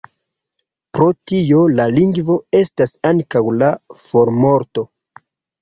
Pro tio la lingvo estas antaŭ la formorto.